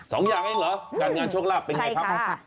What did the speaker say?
สองอย่างเองเหรอการงานโชคลาภเป็นไงครับ